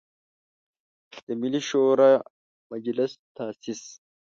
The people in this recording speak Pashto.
د ملي شوری مجلس تاسیس.